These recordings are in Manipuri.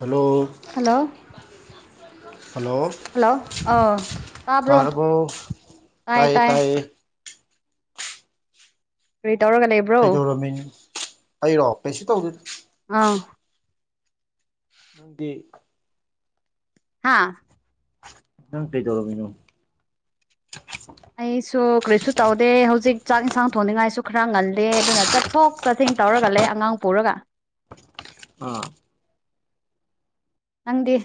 ꯍꯂꯣ ꯍꯜꯂꯣ ꯍꯜꯂꯣ ꯑ ꯇꯥꯕ꯭ꯔꯣ ꯇꯥꯔꯕꯣ ꯇꯥꯏ ꯇꯥꯏꯌꯦ ꯇꯧꯔꯒ ꯂꯩꯕ꯭ꯔꯣ ꯀꯩꯗꯧꯔꯝꯃꯤꯅꯣ ꯍꯥꯏꯔꯛꯑꯣ ꯀꯩꯁꯨ ꯇꯧꯗꯣꯏꯗ ꯑꯥ ꯅꯪꯗꯤ ꯍꯥꯥ ꯍꯇ ꯆꯂꯣ ꯃꯤꯅꯨ ꯑꯩ ꯁꯣ ꯀ꯭ꯔꯤꯁꯨ ꯇꯧꯗꯦ ꯍꯧꯖꯤꯛ ꯆꯥꯛ ꯏꯟꯁꯥꯡ ꯊꯣꯡꯅꯤꯡꯉꯥꯏꯁꯨ ꯈꯔ ꯉꯜꯗꯦ ꯑꯗꯨꯅ ꯆꯠꯊꯣꯛ ꯆꯠꯁꯤꯟ ꯇꯧꯔꯒ ꯂꯩ ꯑꯉꯥꯡ ꯄꯨꯔꯒ ꯑꯥ ꯅꯪꯗꯤ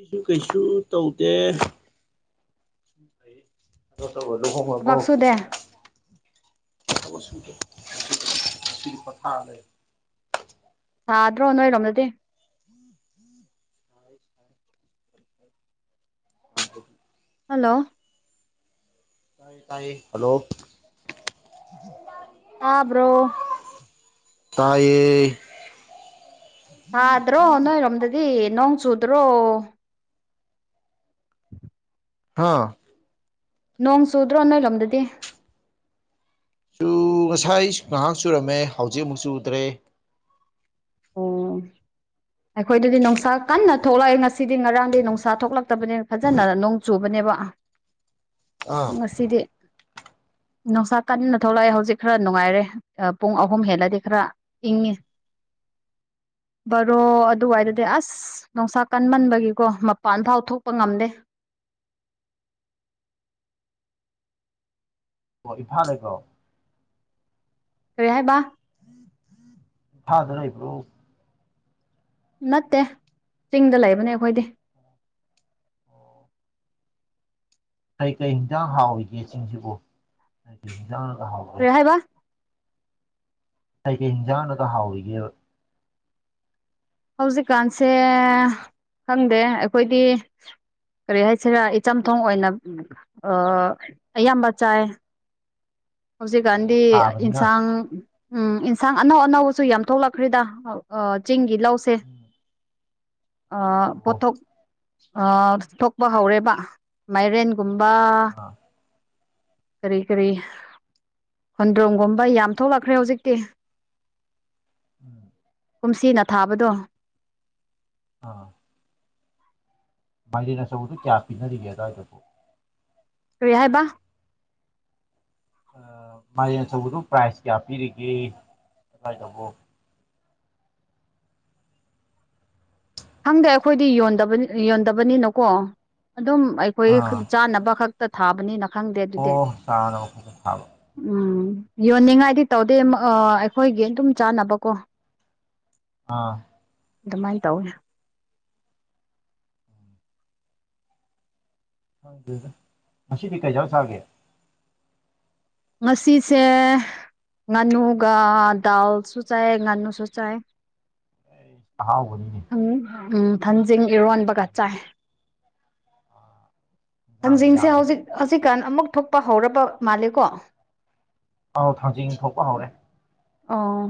ꯀꯩꯁꯨ ꯀꯩꯁꯨ ꯇꯧꯗꯦ ꯍꯕꯣ ꯊꯕꯛ ꯁꯨꯗꯦ ꯗꯆ ꯀꯊ ꯂꯩ ꯁꯥꯗ꯭ꯔꯣ ꯅꯣꯏꯔꯣꯝꯗꯗꯤ [unintelligible] ꯍꯜꯂꯣ ꯇ ꯇꯥꯏ ꯍꯂꯣ ꯇꯥꯕ꯭ꯔꯣ ꯇꯥꯏ ꯊꯥꯗ꯭ꯔꯣ ꯅꯣꯏꯔꯣꯝꯗꯗꯤ ꯅꯣꯡ ꯆꯨꯗ꯭ꯔꯣ ꯍ ꯅꯣꯡ ꯆꯨꯗ꯭ꯔꯣ ꯅꯣꯏꯂꯣꯝꯗꯗꯤ ꯁꯨ ꯉꯁꯥꯏ ꯉꯥꯏꯍꯥꯛ ꯁꯨꯔꯝꯃꯦ ꯍꯧꯖꯤꯛ ꯑꯃꯨꯛ ꯆꯨꯗ꯭ꯔꯦ ꯑꯣ ꯑꯩꯈꯣꯏꯗꯗꯤ ꯅꯨꯡꯁꯥ ꯀꯟꯅ ꯊꯣꯛꯂꯛꯑꯦ ꯉꯁꯤꯗꯤ ꯉꯔꯥꯡꯗꯤ ꯅꯨꯡꯁꯥ ꯊꯣꯛꯂꯛꯇꯕꯅꯤ ꯐꯖꯅ ꯅꯣꯡ ꯆꯨꯕꯅꯦꯕ ꯑꯥ ꯉꯁꯤꯔ ꯅꯨꯡꯁꯥ ꯀꯟꯅ ꯊꯣꯛꯂꯛꯑꯦ ꯍꯧꯖꯤꯛ ꯈꯔ ꯅꯨꯡꯉꯥꯏꯔꯦ ꯄꯨꯡ ꯑꯍꯨꯝ ꯍꯦꯜꯂꯗꯤ ꯈꯔ ꯏꯪꯉꯤ [unintelligible] ꯔꯣ ꯑꯗꯨꯋꯥꯏꯗꯗꯤ ꯑꯁ ꯅꯨꯡꯁꯥ ꯀꯟꯃꯟꯕꯒꯤꯀꯣ ꯃꯄꯥꯟ ꯐꯥꯎ ꯊꯣꯛꯄ ꯉꯝꯗꯦ [unintelligible] ꯑꯣ ꯏꯝꯐꯥꯜꯀꯣ ꯀꯔꯦ ꯍꯥꯏꯕꯕꯥ ꯐꯥꯗ꯭ꯔ ꯑꯩꯕ꯭ꯔꯣ ꯅꯠꯇꯦ ꯆꯤꯡꯗ ꯂꯩꯕꯅꯦ ꯑꯩꯈꯣꯏꯗꯤ ꯀꯩ ꯀꯔꯤ ꯌꯦꯟꯖꯥꯡ ꯍꯥꯎꯏꯒꯦ ꯆꯤꯡꯁꯤꯕꯨ ꯀꯩ ꯀꯔꯤ ꯍꯟꯖꯥꯡꯅꯒ ꯍꯥꯎꯒꯦ ꯀꯔꯤ ꯍꯥꯏꯕ ꯀꯩꯀꯩ ꯌꯦꯟꯖꯥꯡꯅꯒ ꯍꯥꯎꯔꯤꯒꯦꯕ ꯍꯧꯖꯤꯛꯀꯥꯟꯁꯦ ꯈꯪꯗꯦ ꯑꯩꯈꯣꯏꯗꯤ ꯀꯔꯤ ꯍꯥꯏꯁꯤꯔꯥ ꯏꯆꯝꯊꯣꯡ ꯑꯣꯏꯅ ꯑꯌꯥꯝꯕ ꯆꯥꯏ ꯍꯧꯖꯤꯛ ꯒꯥꯟꯙꯤ ꯑꯣ ꯁꯥꯕꯅꯤꯅ ꯏꯟꯁꯥꯡ ꯎꯝ ꯏꯟꯁꯥꯡ ꯑꯅꯧ ꯑꯅꯧꯕꯁꯨ ꯌꯥꯝ ꯊꯣꯛꯂꯛꯈ꯭ꯔꯤꯗ ꯆꯤꯡꯒꯤ ꯂꯧꯁꯦ ꯑꯣ ꯄꯣꯊꯣꯛ ꯊꯣꯛꯄ ꯍꯧꯔꯦꯕ ꯃꯥꯏꯔꯦꯟ ꯀꯨꯝꯕ ꯑꯥ ꯈꯔꯤ ꯈꯔꯤ ꯍꯨꯟꯗ꯭ꯔꯣꯡꯝꯒꯨꯝꯕ ꯌꯥꯝ ꯊꯣꯛꯂꯛꯈ꯭ꯔꯦ ꯍꯧꯖꯤꯛꯇꯤ ꯎꯝ ꯀꯨꯝꯁꯤꯅ ꯊꯥꯕꯗꯣ ꯑꯥ ꯃꯥꯏꯗꯤꯅ ꯁ ꯇꯨ ꯀꯌꯥ ꯄꯤꯅꯔꯤꯒꯦꯗ ꯑꯗꯨꯕꯨ ꯍ ꯍꯥꯏꯕ ꯃꯌꯦ ꯑꯆꯧꯕꯗꯨ ꯄ꯭ꯔꯥꯏꯖ ꯀꯌꯥ ꯄꯤꯔꯤꯒꯦ ꯑꯗꯨꯃꯏ ꯇꯧꯕ ꯍꯪꯗꯦ ꯑꯩꯈꯣꯏꯗꯤ ꯌꯣꯟꯗꯕ ꯌꯣꯟꯗꯕꯅꯤꯅꯀꯣ ꯑꯗꯨꯝ ꯑꯥ ꯑꯩꯈꯣꯏ ꯆꯥꯅꯕ ꯈꯛꯇ ꯊꯥꯕꯅꯤꯅ ꯈꯪꯗꯦ ꯑꯗꯨꯗꯤ ꯑꯣ ꯆꯥꯔꯕ ꯐꯖꯅ ꯊꯥꯕ ꯎꯝ ꯌꯣꯟꯅꯤꯡꯉꯥꯏꯗꯤ ꯇꯧꯗꯦ ꯑꯩꯈꯣꯏꯒꯤ ꯑꯗꯨꯝ ꯆꯥꯅꯕꯀꯣ ꯑꯥ ꯑꯗꯨꯃꯥꯏꯅ ꯇꯧꯋꯤ ꯍ ꯑꯗꯨ ꯃꯁꯤ ꯄꯤ ꯀꯩꯖꯔ ꯁꯥꯒꯦ ꯉꯁꯤꯁꯦ ꯉꯥꯅꯨꯒ ꯗꯜꯁꯨ ꯆꯥꯏ ꯉꯥꯅꯨꯁꯨ ꯆꯥꯏ ꯑꯩ ꯆꯥꯎ ꯎꯝ ꯊꯟꯖꯤꯡ ꯏꯔꯣꯟꯕꯒ ꯆꯥꯏ ꯏꯟꯖꯥꯡꯁꯨ ꯊꯥꯡꯖꯤꯡꯁꯦ ꯌꯥꯝꯃꯦ ꯍꯧꯖꯤꯛ ꯍꯧꯖꯤꯛꯀꯥꯟ ꯑꯃꯨꯛ ꯊꯣꯛꯄ ꯍꯧꯔꯕ ꯃꯥꯜꯂꯦꯀꯣ ꯑꯥꯎ ꯊꯥꯡꯖꯤꯡ ꯊꯣꯛꯄ ꯍꯧꯔꯦ ꯑꯣ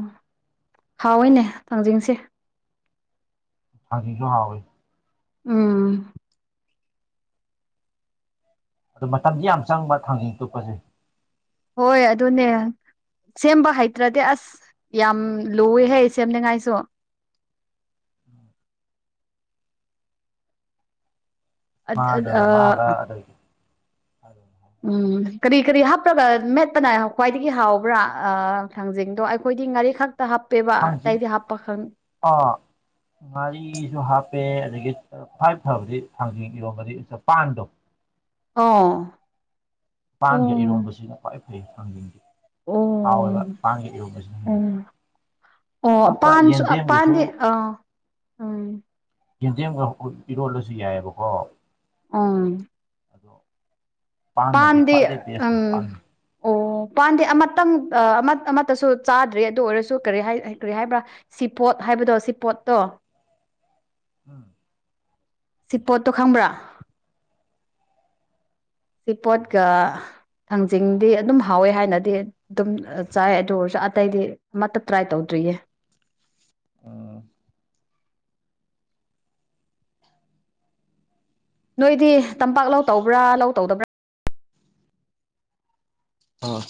ꯍꯥꯎꯑꯣꯅꯦ ꯇꯥꯡꯖꯤꯡꯁꯦ ꯍꯖꯤ ꯀꯕꯦ ꯑꯥ ꯑꯗꯨ ꯃꯇꯝꯗꯤ ꯌꯥꯝ ꯆꯪꯕ ꯊꯥꯡꯖꯤꯡ ꯇꯨꯞꯄꯁꯦ ꯍꯣꯏ ꯑꯗꯨꯅꯦ ꯁꯦꯝꯕ ꯍꯩꯇ꯭ꯔꯗꯤ ꯑꯁ ꯌꯥꯝ ꯂꯨꯑꯦ ꯍꯥꯏ ꯁꯦꯝꯅꯤꯉꯥꯏꯁꯨ ꯃꯥꯗꯕ ꯃꯥꯒ ꯎꯝ ꯑꯗꯨ ꯎꯝ ꯀꯔꯤ ꯀꯔꯤ ꯍꯥꯞꯄꯒ ꯃꯦꯠꯄꯅ ꯈ꯭ꯋꯥꯏꯗꯒꯤ ꯍꯥꯎꯕ꯭ꯔꯥ ꯊꯥꯡꯖꯤꯡꯗꯣ ꯑꯩꯈꯣꯏꯗꯤ ꯉꯥꯔꯤꯈꯛ ꯊꯥꯡꯁꯤ ꯑꯥ ꯉꯥꯔꯤꯁꯨ ꯍꯥꯞꯄꯦ ꯑꯗꯒꯤ ꯐ꯭ꯋꯥꯏꯚ ꯐꯕꯗꯤ ꯊꯥꯡꯖꯤꯡ ꯏꯔꯣꯝꯕꯗꯤ ꯆꯄꯥꯟꯗꯣ ꯑꯥ ꯃꯄꯥꯟꯒꯤ ꯑꯔꯣꯟꯕꯁꯤꯅ ꯈ꯭ꯋꯥꯏ ꯐꯩ ꯍꯥꯡꯖꯒꯤ ꯍꯥꯎ ꯇꯥꯡꯒꯦ ꯀꯁ ꯎꯝ ꯑꯣ ꯄꯥꯟꯁꯨ ꯄꯥꯟꯗꯦ ꯑꯥ ꯎꯝ ꯌꯦꯟꯖꯦꯝꯒ ꯏꯔꯣꯜꯂꯁꯨ ꯌꯥꯏꯑꯕꯀꯣ ꯑꯥ ꯑꯗꯣ ꯄꯥꯟꯅꯗꯤ ꯄꯥꯟꯗ ꯈ꯭ꯋꯥꯏꯗꯩ ꯎꯝ ꯕꯦꯁꯅꯤ ꯄꯥꯟꯅꯤ ꯑꯣ ꯎ ꯄꯥꯟꯗꯦ ꯑꯃꯇꯪ ꯑꯃ ꯑꯃꯠꯇꯁꯨ ꯆꯥꯗ꯭ꯔꯔꯤ ꯑꯗꯨ ꯑꯣꯏꯔꯁꯨ ꯀ ꯀꯔꯤ ꯍꯥꯏꯕ꯭ꯔꯥ ꯁꯤꯐꯣꯠ ꯍꯥꯏ ꯍꯥꯏꯕꯗꯣ ꯁꯤ ꯄꯣꯠꯇꯣ ꯎꯝ ꯁꯤꯄꯣꯠꯇꯣ ꯈꯪꯕ꯭ꯔꯥ ꯁꯤꯄꯣꯠꯀ ꯊꯥꯡꯖꯤꯡꯗꯤ ꯑꯗꯨꯝ ꯍꯥꯎꯋꯦ ꯍꯥꯏꯅꯗꯤ ꯑꯗꯨꯝ ꯆꯥꯏ ꯑꯗꯨ ꯑꯣꯏꯔꯁꯨ ꯑꯇꯩꯗꯤ ꯑꯃꯠꯇ ꯇ꯭ꯔꯥꯏ ꯇꯧꯗꯦ [unintelligible] ꯑꯥ ꯅꯣꯏꯗꯤ ꯇꯝꯄꯥꯛ ꯂꯧ ꯇꯧꯕ꯭ꯔꯥ ꯂꯧ ꯇꯧꯗꯕ꯭ꯔꯥ ꯑꯥ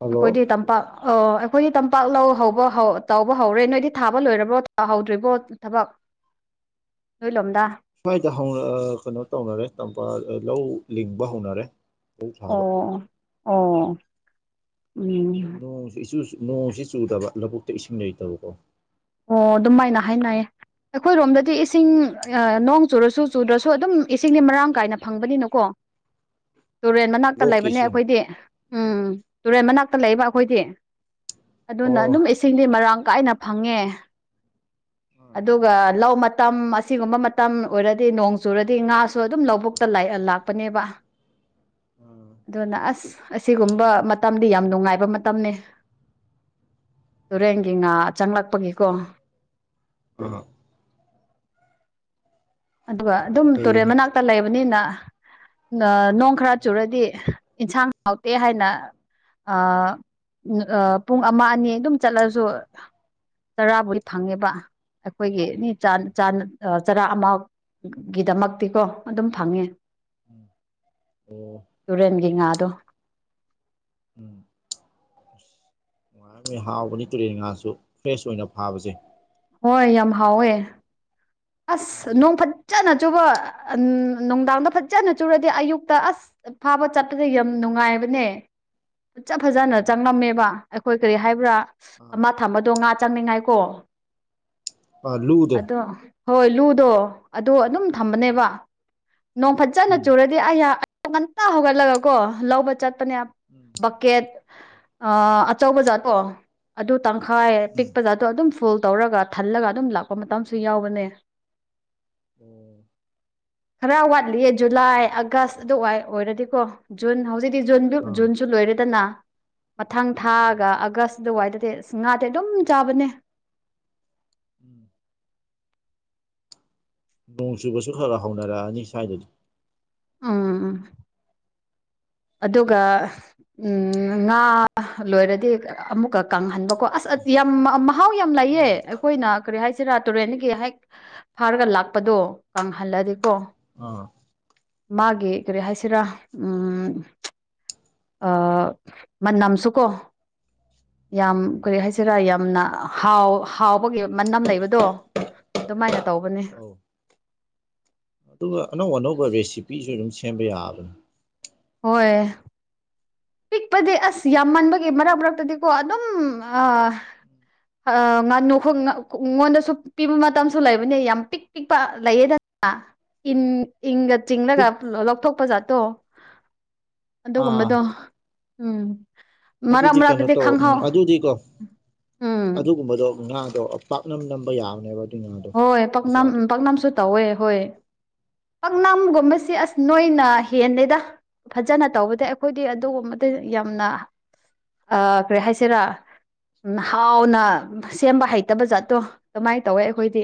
ꯍꯜꯂꯣ ꯑꯩꯈꯣꯏꯗꯤ ꯇꯝꯄꯥꯛ ꯑꯣ ꯑꯩꯈꯣꯏꯗꯤ ꯇꯝꯄꯥꯛ ꯂꯧ ꯍꯧꯕ ꯇꯥꯎꯧꯕ ꯍꯧꯔꯦ ꯅꯣꯏꯗꯤ ꯊꯥꯕ ꯂꯣꯏꯔꯕ꯭ꯔꯣ ꯇꯥꯍꯧꯗ꯭ꯔꯤꯕꯣ ꯊꯕꯛ ꯍꯣꯏ ꯂꯝꯗ ꯁ꯭ꯋꯥꯏꯗ ꯀꯩꯅꯣ ꯇꯧꯅꯔꯦ ꯇꯝꯄꯥꯛ ꯂꯧ ꯂꯤꯡꯕ ꯍꯧꯅꯔꯦ ꯂꯧ ꯊꯥꯕ ꯑꯣ ꯑꯣ ꯎꯝ ꯑꯗꯣ ꯅꯣꯡꯁꯨ ꯅꯣꯡꯁꯤ ꯆꯨꯗꯕ ꯂꯧꯕꯨꯛꯇ ꯏꯁꯤꯡ ꯂꯩꯇꯕꯀꯣ ꯑꯣ ꯑꯗꯨꯝꯃꯥꯏꯅ ꯍꯥꯏꯅꯌꯦ ꯑꯩꯈꯣꯏꯔꯣꯝꯗꯗꯤ ꯏꯁꯤꯡ ꯅꯣꯡ ꯆꯨꯔꯁꯨ ꯆꯨꯗ꯭ꯔꯁꯨ ꯑꯗꯨꯝ ꯏꯁꯤꯡꯗꯤ ꯃꯔꯥꯡ ꯀꯥꯏꯅ ꯐꯪꯕꯅꯤꯅꯀꯣ [unintelligible] ꯇꯨꯔꯦꯜ ꯃꯅꯥꯛꯇ ꯂꯣꯛꯀꯤ ꯂꯩꯕꯅꯦ ꯏꯁꯤꯡ ꯑꯩꯈꯣꯏꯗꯤ ꯎꯝ ꯇꯨꯔꯦꯜ ꯃꯅꯥꯛꯇ ꯂꯩꯕ ꯑꯩꯈꯣꯏꯗꯤ ꯑꯗꯨꯅ ꯑꯣ ꯑꯗꯨꯝ ꯏꯁꯤꯡꯗꯤ ꯃꯔꯥꯡ ꯀꯥꯏꯅ ꯐꯪꯉꯦ ꯑꯣ ꯑꯗꯨꯒ ꯂꯧ ꯃꯇꯝ ꯑꯁꯤꯒꯨꯝꯕ ꯃꯇꯝ ꯑꯣꯏꯔꯗꯤ ꯅꯣꯡ ꯆꯨꯔꯗꯤ ꯉꯥꯁꯨ ꯑꯗꯨꯝ ꯂꯧꯕꯨꯛꯇ ꯂꯥꯛꯄꯅꯦꯕ ꯑꯗꯨꯅ ꯑꯁ ꯑꯁꯤꯒꯨꯝꯕ ꯃꯇꯝ ꯌꯥꯝ ꯅꯨꯡꯉꯥꯏꯕ ꯃꯇꯝꯅꯤ ꯇꯨꯔꯦꯟꯒꯤ ꯉꯥ ꯆꯪꯂꯛꯄ ꯒꯦꯀꯣ ꯑ ꯑꯗꯨꯒ ꯑꯗꯨꯝ ꯇꯨꯔꯦꯟ ꯎꯝ ꯃꯅꯥꯛꯇ ꯂꯩꯕꯅꯤꯅ ꯅꯣꯡ ꯈꯔ ꯆꯨꯔꯗꯤ ꯏꯟꯁꯥꯡ ꯍꯥꯎꯇꯦ ꯍꯥꯏꯅ ꯑ ꯄꯨꯡ ꯑꯃ ꯑꯅꯤ ꯑꯗꯨꯝ ꯆꯠꯂꯁꯨ ꯇꯔꯥꯕꯨꯗꯤ ꯐꯪꯉꯦꯕ ꯑꯩꯈꯣꯏꯒꯤ ꯆꯔꯥ ꯑꯃꯒꯤ ꯒꯤꯗꯃꯛꯇꯤꯀꯣ ꯑꯗꯨꯝ ꯐꯪꯉ ꯝ ꯑꯣꯝ ꯌꯦ ꯉꯥꯗꯣ ꯎꯝ ꯑ ꯅꯨꯡꯉꯥꯏꯔꯝ ꯍꯥꯎꯕꯅꯤ ꯇꯨꯔꯦꯟ ꯉꯥꯁꯨ ꯐ꯭ꯔꯦꯁ ꯑꯣꯏꯅ ꯐꯥꯕꯁꯦ ꯍꯣꯏ ꯌꯥꯝ ꯍꯥꯎꯋꯦ ꯑꯁ ꯎꯝ ꯅꯣꯡ ꯐ ꯐ ꯆꯠꯅ ꯆꯨꯕ ꯅꯨꯡꯗꯥꯡꯗ ꯐꯖꯖꯅ ꯆꯨꯔꯗꯤ ꯑꯌꯨꯛꯇ ꯑꯁ ꯐꯥꯕ ꯆꯠꯄꯗ ꯌꯥꯝ ꯅꯨꯡ ꯅꯨꯡꯉꯥꯏꯕꯅꯦ ꯐꯖ ꯐꯖꯅ ꯎꯝ ꯆꯪꯉꯝꯃꯦꯕ ꯑꯩꯈꯣꯏ ꯀꯔꯤ ꯍꯥꯏꯕ꯭ꯔꯥ ꯑꯥ ꯑꯃ ꯊꯝꯕꯗꯣ ꯉꯥ ꯆꯪꯃꯤꯉꯥꯏꯀꯣ ꯑꯂꯨꯗꯣ ꯍꯣꯏ ꯂꯨꯗꯣ ꯑꯗꯣ ꯑꯗꯨꯝ ꯊꯝꯕꯅꯦꯕ ꯅꯣꯡ ꯐꯖꯖꯅ ꯎꯝ ꯆꯨꯔꯗꯤ ꯑꯩꯍꯥꯛ ꯉꯟꯇ ꯍꯧꯒꯠꯂꯒꯀꯣ ꯂꯧꯕ ꯆꯠꯄꯅꯦ ꯎꯝ ꯕꯛꯀꯦꯠ ꯑꯆꯧꯕ ꯖꯥꯠꯇꯣ ꯑꯗꯨ ꯇꯪꯈꯥꯏ ꯎꯝ ꯄꯤꯛꯄ ꯖꯥꯗꯣ ꯑꯗꯨꯝ ꯐꯣꯜ ꯇꯧꯔꯒ ꯊꯜꯂꯒ ꯑꯗꯨꯝ ꯂꯥꯛꯄ ꯃꯇꯝꯁꯨ ꯌꯥꯎꯕꯅꯦ ꯎꯝ ꯈꯔ ꯋꯥꯠꯂꯤꯌꯦ ꯖꯨꯂꯥꯏ ꯑꯥꯒꯁ ꯑꯗꯨ ꯑꯣꯏꯔꯗꯤꯀꯣ ꯖꯨꯟ ꯍꯧꯖꯤꯛ ꯖꯨꯟ ꯑꯥ ꯖꯨꯟꯁꯨ ꯂꯣꯏꯔꯦꯗꯅ ꯃꯊꯪ ꯑꯥ ꯊꯥꯒ ꯑꯥꯒꯁ ꯑꯗꯨꯋꯥꯏꯗꯗꯤ ꯑꯁ ꯉꯥꯗꯤ ꯑꯗꯨꯝ ꯆꯥꯕꯅꯦ ꯎꯝ ꯅꯣꯡꯁꯨꯨꯕꯁꯨ ꯈꯔꯥ ꯍꯥꯎꯅꯔꯛꯑꯅꯤ ꯁꯥꯏꯗꯗꯤ ꯎꯝ ꯎꯝ ꯑꯗꯨꯒ ꯎꯝ ꯉꯥ ꯂꯣꯏꯔꯗꯤ ꯑꯃꯨꯛꯀ ꯀꯪꯍꯟꯕ ꯀꯣ ꯑꯁ ꯌꯥꯝ ꯃꯍꯥꯎ ꯌꯥꯝ ꯂꯩꯌꯦ ꯎꯝ ꯑꯩꯈꯣꯏꯅ ꯀꯔꯤ ꯍꯥꯏꯁꯤ ꯆꯔꯥ ꯇꯨꯔꯦꯟꯒꯤ ꯍꯦꯛ ꯐꯥꯔꯒ ꯂꯥꯛꯄꯗꯣ ꯀꯪꯍꯜꯂꯗꯤꯀꯣ ꯑ ꯃꯥꯒꯤ ꯀꯔꯤ ꯍꯥꯏꯁꯤꯔꯥ ꯎꯝ ꯑ ꯃ ꯅꯝꯁꯨ ꯀꯣ ꯌꯥꯝ ꯀꯔꯤ ꯍꯥꯏꯁꯤꯔꯥ ꯌꯥꯝꯅ ꯍꯥꯎ ꯍꯥꯎꯕꯒꯤ ꯃꯅꯝ ꯂꯩꯕꯗꯣ ꯑꯗꯨꯃꯥꯏꯅ ꯇꯧꯕꯅꯤ ꯑꯧ ꯑꯗꯨꯒ ꯑꯅꯧ ꯑꯅꯧꯕ ꯔꯦꯁꯤꯄꯤꯁꯨ ꯑꯗꯨꯝ ꯁꯦꯝꯕ ꯌꯥꯕꯅꯤ ꯍꯣꯏ ꯄꯤꯛꯄꯗꯤ ꯑꯁ ꯌꯥꯝ ꯃꯟꯕꯒꯤ ꯃꯔꯛ ꯃꯔꯛꯇꯗꯤꯀꯣ ꯑꯗꯨꯝ ꯉꯥꯅꯨ ꯑꯩꯉꯣꯟꯗꯁꯨ ꯄꯤꯕ ꯃꯇꯝꯁꯨ ꯂꯩꯕꯅꯦ ꯌꯥꯝ ꯄꯤꯛ ꯄꯤꯛꯄ ꯂꯩꯌꯦꯗ ꯑ ꯏꯝ ꯏꯪꯒ ꯆꯤꯡꯂꯒ ꯑꯄꯤꯛ ꯂꯧꯊꯣꯛꯄ ꯖꯥꯠꯇꯣ ꯑꯥ ꯑꯗꯨꯒꯨꯝꯕꯗꯣ ꯎꯝ ꯃꯔꯛ ꯑꯗꯨꯗꯤ ꯀꯩꯅꯣ ꯃꯔꯛꯇꯗꯤ ꯇꯧ ꯎꯝ ꯈꯪꯍꯧ ꯑꯗꯨꯗꯤꯀꯣ ꯎꯝ ꯑꯗꯨꯒꯨꯝꯕꯗꯣ ꯉꯥ ꯄꯥꯛꯅꯝ ꯅꯝꯕ ꯌꯥꯕꯅꯦꯕ ꯑꯗꯨꯏ ꯉꯥꯗꯣ ꯍꯣꯏ ꯄꯥꯛꯅꯝ ꯃꯆꯥꯗꯣ ꯄꯥꯛꯅꯝꯁꯨ ꯇꯧꯋꯦ ꯍꯣꯏ ꯄꯥꯛꯅꯝꯒꯨꯝꯕꯁꯤ ꯑꯁ ꯅꯣꯏꯅ ꯍꯦꯟꯅꯦꯗ ꯐꯖꯅ ꯇꯧꯕꯗꯤ ꯑꯩꯈꯣꯏꯗꯤ ꯑꯗꯨꯒꯨꯝꯕꯗ ꯌꯥꯝꯅ ꯑ ꯀ꯭ꯔꯦ ꯍꯥꯏꯥꯏꯁꯤꯔꯥ ꯎꯝ ꯍꯥꯎꯅ ꯁꯦꯝꯕ ꯍꯩꯇꯕ ꯖꯥꯠꯇꯣ ꯑꯗꯨꯃꯥꯏꯅ ꯇꯧꯋꯦ ꯑꯩꯈ ꯑꯩꯈꯣꯏꯗꯤ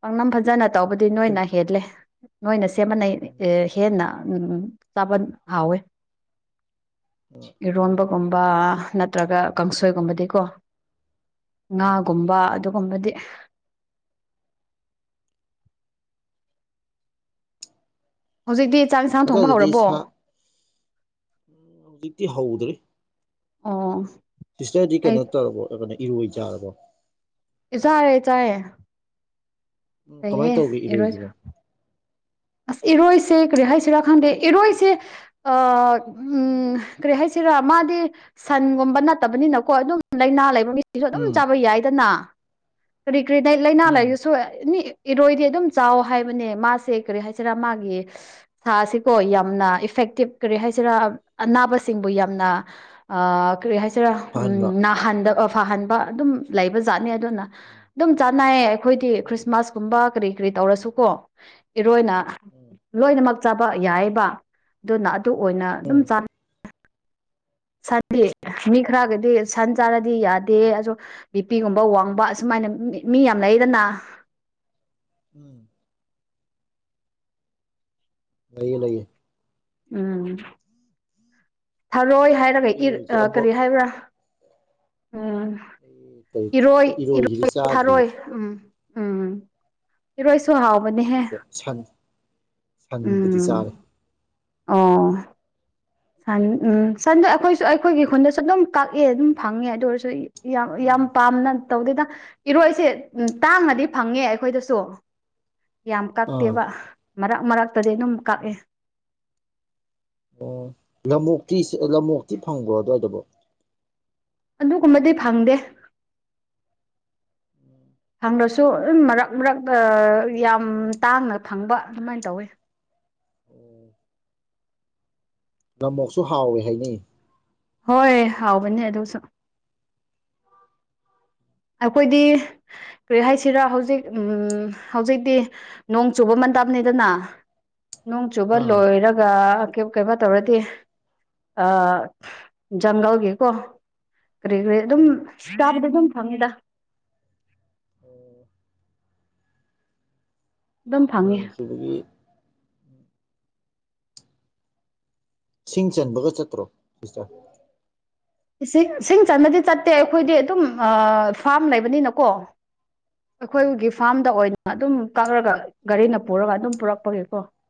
ꯄꯥꯡꯅꯝ ꯐꯖꯅ ꯇꯧꯕꯗꯤ ꯁꯨꯝ ꯅꯣꯏꯅ ꯍꯦꯜꯂꯦ ꯅꯣꯏꯅ ꯁꯦꯝꯃꯟꯅꯩ ꯍꯦꯟꯅ ꯆꯥꯕ ꯍꯥꯎꯋꯦ ꯏꯔꯣꯟꯕꯒꯨꯝꯕ ꯅꯠꯇ꯭ꯔꯒ ꯀꯥꯡꯁꯣꯏꯒꯨꯝꯕꯗꯤꯀꯣ ꯑꯥ ꯉꯥꯒꯨꯝꯕ ꯑꯗꯨꯒꯨꯝꯕꯗꯤ ꯍꯧꯖꯤꯛꯇꯤ ꯆꯥꯛ ꯏꯟꯁꯥꯡ ꯊꯣꯡꯕ ꯑꯗꯨꯋꯥꯏꯗꯗꯤ ꯍꯧꯔꯕꯣ ꯇ ꯍꯥꯎꯗ꯭ꯔꯤ ꯑ ꯁꯤꯁꯇꯔꯗꯤ ꯀꯩꯅꯣ ꯇꯧꯔꯕꯣ ꯀꯩꯅ ꯏꯔꯣꯏꯖꯔꯕꯣ ꯆꯔꯦ ꯆꯑ ꯎꯝ ꯀꯃꯥꯏꯅ ꯇꯧꯒꯦ ꯏꯔꯣꯏꯁꯤꯕꯣ ꯑꯁ ꯏꯔꯣꯏꯁꯦ ꯀꯔꯤ ꯍꯥꯏꯁꯤꯔꯥ ꯈꯪꯗꯦ ꯏꯔꯣꯏꯁꯦ ꯎ ꯀꯔꯤ ꯍꯥꯏꯁꯤ ꯁꯤꯔ ꯃꯥꯗꯤ ꯁꯟꯒꯨꯝꯕ ꯅꯠꯇꯕꯅꯤꯅꯀꯣ ꯑꯗꯨꯝ ꯂꯥꯏꯅꯥ ꯂꯩꯕ ꯃꯤ ꯁꯨ ꯑꯗꯨꯝ ꯎꯝ ꯆꯥꯕ ꯌꯥꯏꯗꯅ ꯀꯔꯤ ꯀꯔꯤ ꯂꯥꯏꯅꯥ ꯎꯝ ꯂꯩꯥꯏꯔꯒꯁꯨ ꯑꯦꯅꯤ ꯏꯔꯣꯏꯗꯤ ꯑꯗꯨꯝ ꯆꯥꯎ ꯍꯥꯏꯕꯅꯦ ꯃꯥꯁꯦ ꯀꯔꯤ ꯍꯥꯏ ꯣ ꯌꯥꯝꯅ ꯏꯐꯦꯛꯇꯤ ꯀ ꯍꯥꯏꯁꯤꯔ ꯑꯅꯥꯕ ꯌꯥꯝ ꯀ ꯍꯥꯏꯔ ꯐꯍꯟꯕ ꯍꯟ ꯐꯍꯟꯕ ꯑꯗꯨꯝ ꯂꯩꯕ ꯖꯥꯠꯅꯤ ꯑꯗꯨꯅ ꯎꯝ ꯑꯗꯨꯝ ꯆꯥꯅꯏꯌꯦ ꯑꯩꯈꯣꯏꯗꯤ ꯎꯝ ꯈ꯭ꯔꯤꯁꯃꯥꯁꯀꯨꯝꯕ ꯀꯔꯤ ꯀꯔꯤ ꯇꯧꯔꯁꯨꯀꯣ ꯏꯔꯣꯏꯅ ꯎꯝ ꯂꯣꯏꯅꯃꯛ ꯆꯥꯕ ꯌꯥꯏꯕ ꯑꯗꯨꯅ ꯑꯗꯨ ꯑꯣꯏꯅ ꯑꯗꯨꯝ ꯎꯝ ꯆꯥ ꯁꯥꯟꯇ ꯃꯤ ꯑꯣ ꯈꯔꯒꯦꯗꯤ ꯁꯥꯟ ꯆꯥꯔꯗꯤ ꯌꯥꯗꯦ ꯑꯗꯣ ꯕꯤꯄꯤꯒꯨꯝꯕ ꯋꯥꯡꯕ ꯑꯁꯨꯃꯥꯏꯅ ꯃꯤ ꯌꯥꯝ ꯂꯩꯗꯅ [unintelligible] ꯎꯝ ꯂꯩꯌꯦ ꯅꯌꯦ ꯎꯝ ꯊꯔꯣꯏ ꯍꯥꯏꯔꯒ ꯑꯩ ꯏ ꯏꯔꯣꯏꯁꯦ ꯑꯃꯨꯛ ꯀꯔꯤ ꯍꯥꯏꯕ꯭ꯔꯥ ꯎꯝ ꯑꯩ ꯀꯔꯤ ꯏꯔꯣꯏ ꯑꯩ ꯏꯔꯣꯏꯁꯤꯗꯤ ꯏꯔꯣꯏ ꯆꯥꯗ꯭ꯔꯤ ꯊꯥꯔꯣꯏ ꯎꯝ ꯎꯝ ꯏꯔ ꯁ ꯍꯥꯎꯕꯅꯦꯍꯦ ꯑꯗꯨꯒ ꯁꯟ ꯁꯟꯕꯨꯗꯤ ꯎꯝ ꯆꯥꯔꯦ ꯑꯣ ꯁꯟ ꯎꯝ ꯁꯟꯗ ꯑꯩꯈꯣꯏꯁꯨ ꯑꯩꯈꯣꯏꯒꯤ ꯈꯨꯟꯗꯁꯨ ꯑꯗꯨꯝ ꯀꯛꯑꯦ ꯑꯗꯨꯝ ꯐꯪꯉꯦ ꯑꯗꯨ ꯑꯣꯏꯔꯁꯨ ꯌꯥꯝ ꯌꯥꯝ ꯎꯝ ꯄꯥꯝꯅ ꯇꯧꯗꯗ ꯏꯔꯣꯏꯁꯦ ꯎ ꯇꯥꯡꯉꯗꯤ ꯐꯪꯉꯦ ꯑꯩꯈꯣꯏꯗꯁꯨ ꯌꯥꯝ ꯑꯥ ꯀꯛꯇꯦꯕ ꯃꯔꯛ ꯃꯔꯛꯇꯗꯤ ꯑꯗꯨꯝ ꯀꯛꯑꯦ ꯎꯝ ꯑꯣ ꯂꯃꯣꯛꯇꯤ ꯂꯃꯣꯛꯇꯤ ꯐꯪꯕ꯭ꯔꯣ ꯑꯗꯨꯋꯥꯏꯗꯕ ꯑꯗꯨꯒꯨꯝꯕꯗꯤ ꯐꯪꯗꯦ ꯐꯪꯗꯁꯨ ꯃꯔꯛ ꯃꯔꯛ ꯌꯥꯝ ꯇꯥꯡꯅ ꯐꯪꯕ ꯑꯗꯨꯃꯥꯏꯅ ꯇꯧꯋꯤ ꯅꯃꯣꯛꯁꯨ ꯍꯥꯎꯏꯦ ꯍꯥꯏꯅꯩ ꯍꯣꯏ ꯍꯥꯎꯕꯅꯦ ꯑꯗꯨꯁꯨ ꯑꯩꯈꯣꯏꯗꯤ ꯀꯔꯤ ꯍꯥꯏꯁꯤꯔꯥ ꯍꯧꯖꯤꯛ ꯍꯧꯖꯤꯛꯇꯤ ꯅꯣꯡ ꯆꯨꯕ ꯇꯞꯅꯤꯗꯅ ꯅꯣꯡ ꯆꯨꯕ ꯑꯥ ꯂꯣꯏꯔꯒ ꯀꯩꯕ ꯇꯧꯔꯗꯤ ꯖꯪꯒꯜꯒꯤꯀꯣ ꯀꯔꯤ ꯀꯔꯤ ꯑꯗꯨꯝ ꯆꯥꯕꯗꯤ ꯑꯗꯨꯝ ꯐꯪꯉꯤꯗ ꯑꯣ ꯑꯗꯨꯝ ꯐꯪꯉꯤ ꯁꯨꯔꯒꯤ ꯁꯤꯡ ꯆꯟꯕꯒ ꯆꯠꯇ꯭ꯔꯣ ꯁꯤꯁꯇꯔ ꯏꯁꯤꯡ ꯏꯁꯤꯡ ꯆꯟꯕꯗꯤ ꯆꯠꯇꯦ ꯑꯩꯈꯣꯏꯗꯤ ꯑꯗꯨꯝ ꯐꯥꯔꯝ ꯂꯩꯕꯅꯤꯅꯀꯣ ꯑꯩꯈꯣꯏꯒꯤ ꯐꯥꯔꯝꯗ ꯑꯣꯏꯅ ꯑꯗꯨꯝ ꯀꯛꯔꯒ ꯒꯥꯔꯤꯅ ꯄꯨꯔꯒ ꯑꯗꯨꯝ ꯄꯨꯔꯛꯄꯒꯦꯀꯣ [unintelligible]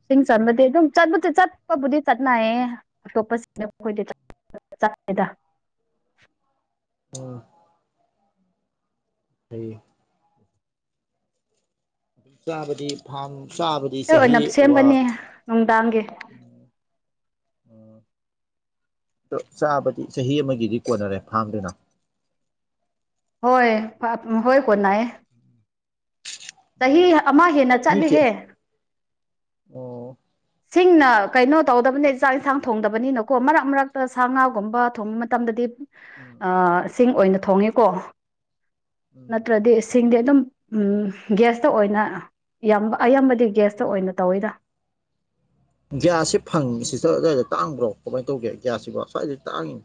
ꯏꯁꯤꯡ ꯆꯟꯕꯗꯤ ꯑꯗꯨꯝ ꯆꯠꯄꯗꯤ ꯆꯠꯄꯕꯨꯗꯤ ꯆꯠꯅꯌꯦ ꯑꯇꯣꯞꯄꯁꯤꯡꯅ ꯃꯈꯣꯏꯗꯤ ꯆꯗ ꯎꯝ ꯍ ꯑꯗꯨꯝ ꯆꯥꯕꯗꯤ ꯐꯥꯝ ꯁꯕꯗꯤ ꯁꯍꯤ ꯑꯣꯏꯅ ꯋꯥ ꯁꯦꯝꯒꯅꯤ ꯅꯨꯡꯗꯥꯡꯒꯤ ꯎꯝ ꯑꯗꯣ ꯆꯥꯕꯗꯤ ꯆꯍꯤ ꯑꯃꯒꯤꯗꯤ ꯀꯣꯟꯅꯔꯦ ꯐꯥꯡꯗꯨꯅ ꯍꯣꯏ ꯍꯣꯏ ꯀꯣꯅꯥ ꯆꯍꯤ ꯑꯃ ꯍꯦꯟꯅ ꯃꯤ ꯀꯌꯥ ꯆꯠꯂꯦꯍꯦ ꯑꯣ ꯁꯤꯡꯅ ꯀꯩꯅꯣ ꯇꯧꯗꯕꯅꯤ ꯆꯥꯛ ꯏꯟꯁꯥꯡ ꯊꯣꯡꯗꯕꯅꯤꯅꯀꯣ ꯃꯔꯛ ꯃꯔꯛꯇ ꯁꯥ ꯉꯥꯒꯨꯝꯕ ꯊꯣꯡꯕ ꯃꯇꯝꯗꯗꯤ ꯎꯝ ꯑ ꯁꯤꯡ ꯑꯣꯏꯅ ꯊꯣꯡꯉꯦꯀꯣ ꯎꯝ ꯅꯠꯇ꯭ꯔꯗꯤ ꯁꯤꯡꯗꯤ ꯑꯗꯨꯝ ꯒ꯭ꯌꯥꯁꯇ ꯑꯣꯏꯅ ꯏꯌꯥꯝꯕ ꯑꯌꯥꯝꯕꯗꯤ ꯒ꯭ꯌꯥꯁꯇ ꯑꯣꯏꯅ ꯇꯧꯋꯤꯗ ꯒ꯭ꯌꯥꯁꯁꯤꯦ ꯐꯪꯉꯤ ꯁꯤꯗ ꯑꯗꯨ꯭ꯏꯗ ꯇꯥꯡꯕ꯭ꯔꯣ ꯀꯃꯥꯏꯅ ꯇꯧꯒꯦ ꯒ꯭ꯌꯥꯁꯁꯤꯕꯣ ꯁ꯭ꯋꯥꯏꯗ ꯇꯥꯡꯏꯤ